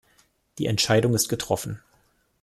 Die Entscheidung ist getroffen.